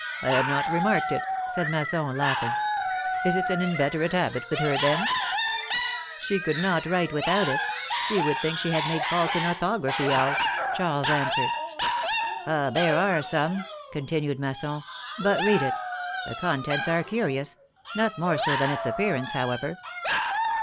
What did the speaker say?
I had not remarked it," said Masson, laughing. Is it an inveterate habit with her, then ?" She could not write without it ; she would think 20 314 philomi^ne's marriages. she had made faults in orthography else/^ Charles an swered. ^^Ah ! there are some/^ continued Masson ; but read it. The contents are curious — not more so than its appearance, however.